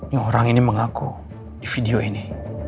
ya orang ini mengaku di video ini